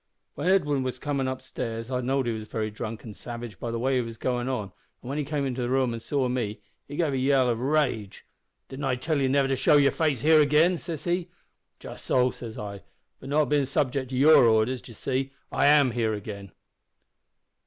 "When Edwin was comin' up stairs I know'd he was very drunk and savage by the way he was goin' on, an' when he came into the room an' saw me he gave a yell of rage. `Didn't I tell you never to show your face here again?' says he. `Just so,' says I, `but not bein' subjec' to your orders, d'ye see, I am here again.'